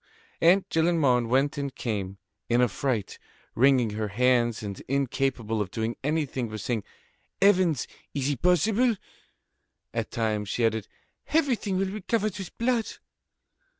Aunt Gillenormand went and came, in affright, wringing her hands and incapable of doing anything but saying: "Heavens! is it possible?" At times she added: "Everything will be covered with blood."